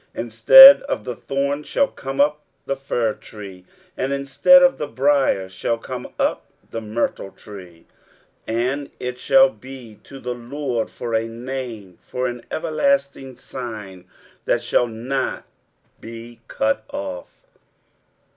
23:055:013 Instead of the thorn shall come up the fir tree, and instead of the brier shall come up the myrtle tree: and it shall be to the LORD for a name, for an everlasting sign that shall not be cut off.